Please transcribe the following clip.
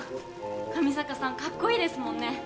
上坂さんかっこいいですもんね。